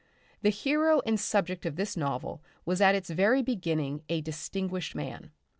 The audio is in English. The hero and subject of this novel was at its very beginning a distinguished man.